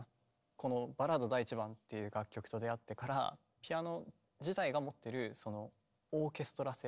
この「バラード第１番」っていう楽曲と出会ってからピアノ自体が持ってるそのオーケストラ性？